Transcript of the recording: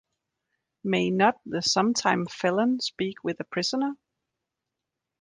May not the sometime felon speak with a prisoner?